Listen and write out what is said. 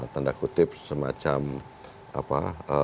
tanda kutip semacam apa